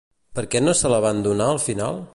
Per què no se la van donar al final?